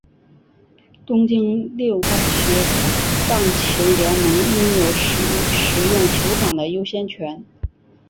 东京六大学棒球联盟拥有使用球场的优先权。